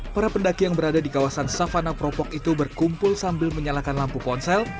para pendaki yang berada di kawasan savana propok itu berkumpul sambil menyalakan lampu ponsel